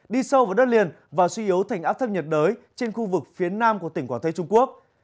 đi sâu vào đất liền và suy yếu thành áp thấp nhiệt đới trên khu vực phía nam của tỉnh quảng tây trung quốc